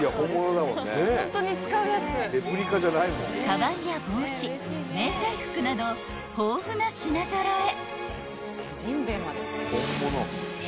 ［かばんや帽子迷彩服など豊富な品揃え］